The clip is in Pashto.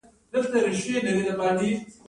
د محصولاتو برنډینګ څنګه وکړم؟